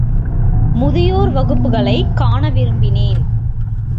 முதியோர் வகுப்புகளைக் காண விரும்பினேன்.